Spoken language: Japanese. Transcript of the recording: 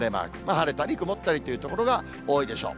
晴れたり曇ったりという所が多いでしょう。